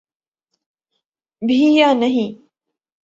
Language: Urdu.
بھی یا نہیں۔